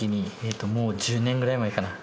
もう１０年ぐらい前かな？